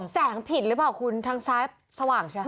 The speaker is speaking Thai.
ผิดหรือเปล่าคุณทางซ้ายสว่างใช่ไหมค